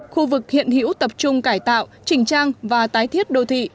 khu vực hiện hữu tập trung cải tạo chỉnh trang và tái thiết đô thị